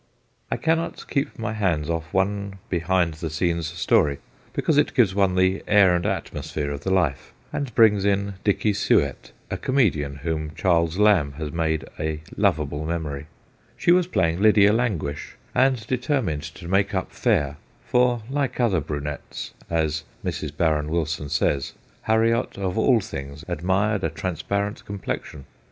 I cannot keep my hands off one behind the scenes story, because it gives one the air and atmosphere of the life, and brings in Dicky Suett, a comedian whom Charles Lamb has made a lovable memory. She 'PEGGY CHILD 1 211 was playing Lydia Languish, and deter mined to make up fair, for like other brunettes, as Mrs. Barron Wilson says, Harriot, of all things, admired a transparent complexion.